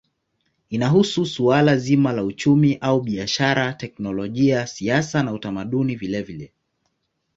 Inahusu suala zima la uchumi au biashara, teknolojia, siasa na utamaduni vilevile.